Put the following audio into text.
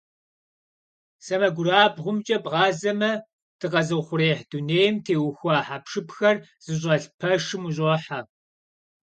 СэмэгурабгъумкӀэ бгъазэмэ, дыкъэзыухъуреихь дунейм теухуа хьэпшыпхэр зыщӏэлъ пэшым ущӀохьэ.